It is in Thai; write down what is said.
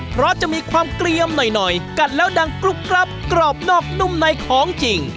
เพราะจะมีความเกลียมหน่อยกัดแล้วดังกรุ๊ปรับกรอบนอกนุ่มในของจริง